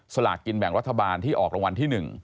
สลากกินแบ่งรัฐบาลที่ออกรางวัลที่๑